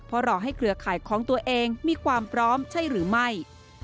เพราะรอให้เครือข่ายของตัวเองมีความพร้อมใช่หรือไม่